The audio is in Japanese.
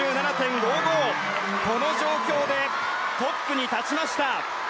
この状況でトップに立ちました。